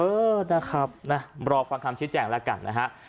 เออนะครับนะรอฟังคำชี้แจงแล้วกันนะฮะ